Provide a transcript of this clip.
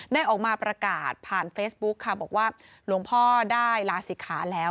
ได้ออกมาประกาศผ่านเฟซบุ๊กค่ะบอกว่าหลวงพ่อได้ลาศิกขาแล้ว